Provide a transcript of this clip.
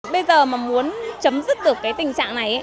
bây giờ mà muốn chấm dứt được cái tình trạng này